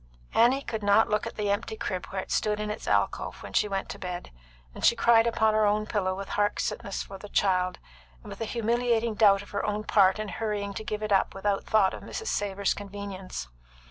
Annie could not look at the empty crib where it stood in its alcove when she went to bed; and she cried upon her own pillow with heart sickness for the child, and with a humiliating doubt of her own part in hurrying to give it up without thought of Mrs. Savor's convenience.